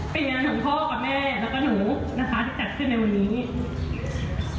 เป็นงานของพ่อกับแม่แล้วก็หนูนะคะที่จัดขึ้นในวันนี้